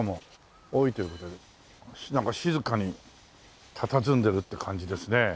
なんか静かにたたずんでるって感じですね。